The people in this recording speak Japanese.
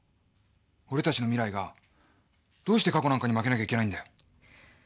俺たちの未来がどうして過去なんかに負けなきゃいけないんだよ。